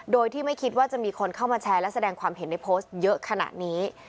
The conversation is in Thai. โดยที่ไม่คิดว่าจะมีคนเข้ามาแชร์และแสดงความเห็นในโพสต์เยอะขนาดนี้